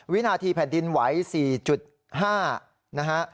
วินาทีแผ่นดินไหว๔๕นะฮะ